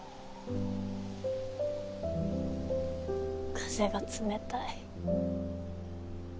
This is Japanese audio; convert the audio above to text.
風が冷たい。